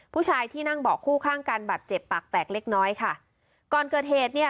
ผู้ชายที่นั่งเบาะคู่ข้างกันบาดเจ็บปากแตกเล็กน้อยค่ะก่อนเกิดเหตุเนี่ย